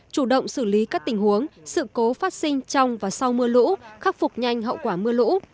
chủ động xử lý các tình huống sự cố phát sinh trong và sau mưa lũ khắc phục nhanh hậu quả mưa lũ